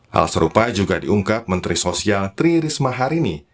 hal serupa juga diungkap menteri sosial tri risma harini